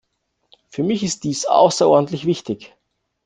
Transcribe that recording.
Für mich ist dies außerordentlich wichtig.